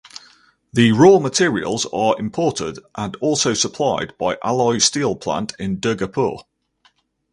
The raw materials are imported and also supplied by Alloy Steel Plant in Durgapur.